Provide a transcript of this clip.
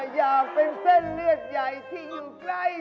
อยากเป็นเส้นเลือดใหญ่ที่อยู่ใกล้